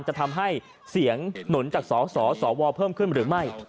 จะทำให้เสียงหนุนจากสสวเพิ่มขึ้นหรือไม่